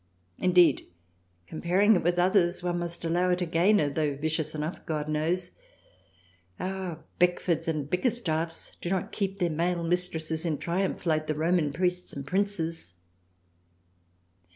Indeed comparing it with others, one must allow it a gainer tho' vicious enough God knows. ... Our Beckfords and Bickerstaffs do not keep their Male Mistresses in Triumph like the Roman Priests and Princes.